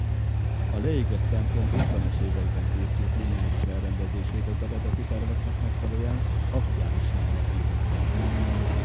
A leégett templom ötvenes években készült lineáris elrendezését az eredeti terveknek megfelelően axiálissá alakították.